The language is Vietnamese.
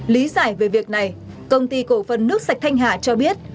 lý giải về việc này công ty cổ phần nước sạch thanh hà cho biết